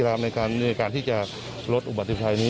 ในการที่จะลดอุบัติภัยนี้